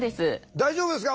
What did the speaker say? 大丈夫ですか？